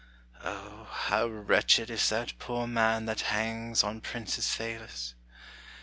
O, how wretched Is that poor man that hangs on princes' favors!